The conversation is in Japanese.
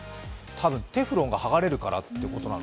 たぶん、テフロンが剥がれるからかな。